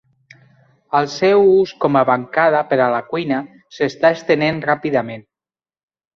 El seu ús com a bancada per a la cuina s'està estenent ràpidament.